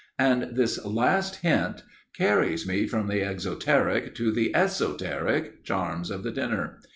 And this last hint carries me from the exoteric to the esoteric charms of the dinner.